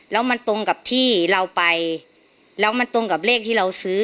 แล้วมันตรงกับที่เราไปแล้วมันตรงกับเลขที่เราซื้อ